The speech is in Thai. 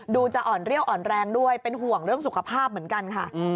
จะอ่อนเรี่ยวอ่อนแรงด้วยเป็นห่วงเรื่องสุขภาพเหมือนกันค่ะ